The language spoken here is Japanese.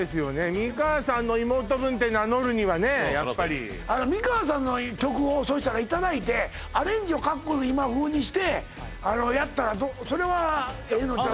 美川さんの妹分って名乗るにはねやっぱり美川さんの曲をそしたらいただいてアレンジを今風にしてやったらそれはええのんちゃうの？